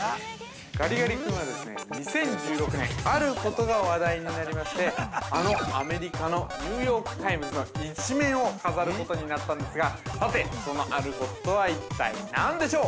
ガリガリ君は、２０１６年、あることが話題になりまして、あのアメリカのニューヨーク・タイムズの一面を飾ることになったんですが、さて、そのあることとは一体何でしょう。